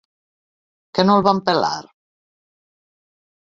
Que no el van pelar?